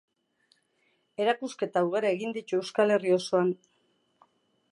Erakusketa ugari egin ditu Euskal Herri osoan.